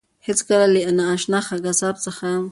هیڅکله له نااشنا قصاب څخه غوښه مه اخله.